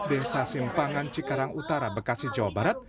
desa simpangan cikarang utara bekasi jawa barat